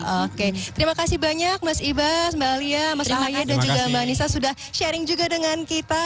oke terima kasih banyak mas ibas mbak alia mas alia dan juga mbak anissa sudah sharing juga dengan kita